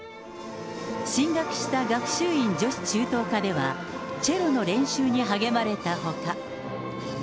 進学した学習院女子中等科では、チェロの練習に励まれたほか。